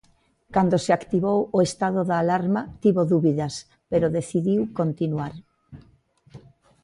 Cando se activou o estado da alarma, tivo dúbidas, pero decidiu continuar.